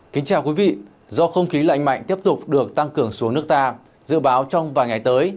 kính chào quý vị do không khí lạnh mạnh tiếp tục được tăng cường xuống nước ta dự báo trong vài ngày tới